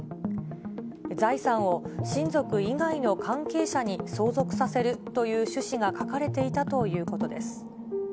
財産を親族以外の関係者に相続させるという趣旨が書かれていたということです。